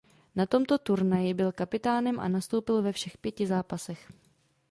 Na tomto turnaji byl kapitánem a nastoupil ve všech pěti zápasech.